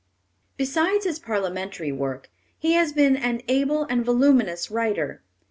Besides his parliamentary work, he has been an able and voluminous writer.